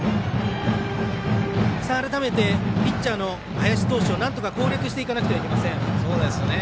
改めて、ピッチャーの林投手をなんとか攻略していかなくてはなりません。